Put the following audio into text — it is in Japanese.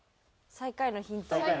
最下位のヒント